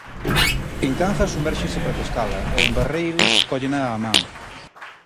En Cangas somérxense para pescala e en Barreiros cóllena á man.